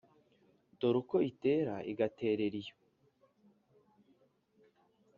Dore ko itera igaterera iyo